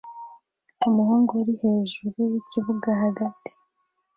Umuhungu uri hejuru yikibuga hagati